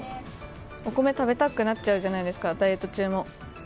お米、食べたくなっちゃうじゃないですかダイエット中も。